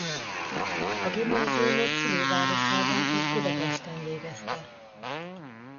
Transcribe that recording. A gimnáziumot szülővárosában és Budapesten végezte.